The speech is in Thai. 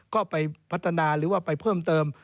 ก็ไปพัฒนาหรือว่าไปเพิ่มเติม